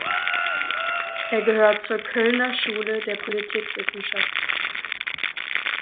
Er gehört zur „Kölner Schule“ der Politikwissenschaft.